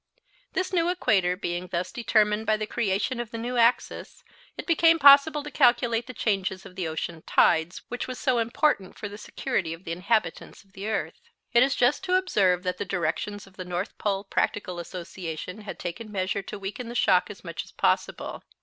This new equator being thus determined by the creation of the new axis, it became possible to calculate the changes of the ocean tides, which was so important for the security of the inhabitants of the earth. It is just to observe that the directors of the North Polar Practical Association had taken measure to weaken the shock as much as possible.